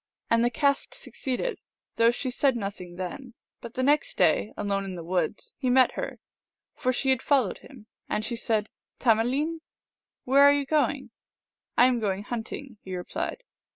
And the cast succeeded, though she said nothing then. But the next day, alone in the woods, he met her, for she had followed him. And she said, " Tamealeen ?"" Where are you going ?" "I am going hunting," he replied.